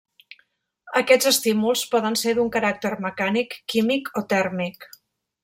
Aquests estímuls poden ser d'un caràcter mecànic, químic, o tèrmic.